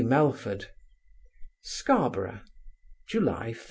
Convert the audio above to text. MELFORD SCARBOROUGH, July 1.